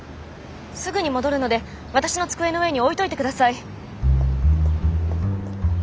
すぐに戻るので私の机の上に置いといて下さい。